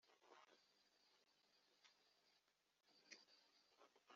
mose abaza ibisate by amabuye bibiri bisa n ibya mbere